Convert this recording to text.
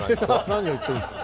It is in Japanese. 何を言ってるんですか。